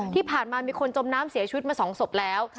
ที่ผ่านมามีคนจมน้ำเสียชีวิตมา๒ศพแล้ว